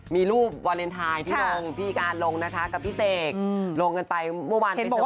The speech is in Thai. มีรูปวาเลนไทยที่การลงนะคะกับพี่เสกลงกันไปมุมวันเป็นสไพยการ